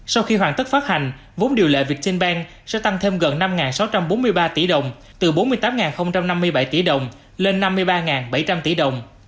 sau khi hoàn tất phát hành vốn điều lệ viettinbank sẽ tăng thêm gần năm sáu trăm bốn mươi ba tỷ đồng từ bốn mươi tám năm mươi bảy tỷ đồng lên năm mươi ba bảy trăm linh tỷ đồng